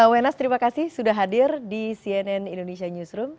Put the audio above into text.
wenas terima kasih sudah hadir di cnn indonesia newsroom